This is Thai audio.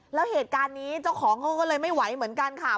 แล้วเหตุการณ์นี้เจ้าของเขาก็เลยไม่ไหวเหมือนกันค่ะ